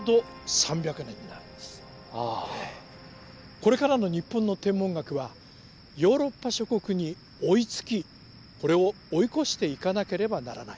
これからの日本の天文学はヨーロッパ諸国に追いつきこれを追い越していかなければならない。